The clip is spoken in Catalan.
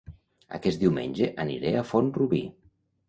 Aquest diumenge aniré a Font-rubí